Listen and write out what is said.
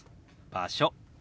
「場所」。